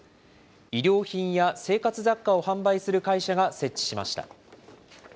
衣料品や生活雑貨を販売する会社が設置しました。